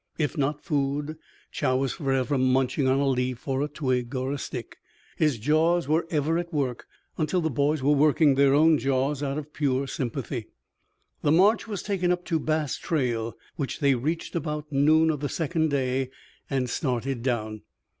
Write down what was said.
If not food, Chow was forever munching on a leaf or a twig or a stick. His jaws were ever at work until the boys were working their own jaws out of pure sympathy. The march was taken up to Bass Trail, which they reached about noon of the second day and started down.